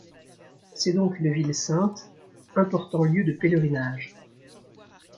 C’est donc une ville sainte important lieu de pèlerinage.